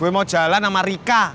gue mau jalan sama rika